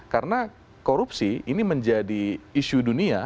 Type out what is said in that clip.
karena korupsi ini menjadi isu dunia